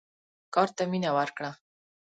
کار ته مینه ورکړه.